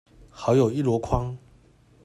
好友一籮筐